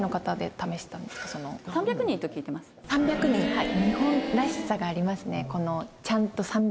はい。